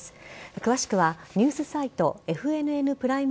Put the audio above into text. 詳しくはニュースサイトＦＮＮプライム